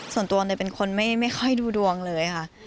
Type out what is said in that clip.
ส่วนตัวเนยเป็นคนไม่ค่อยดูดวงเลยค่ะ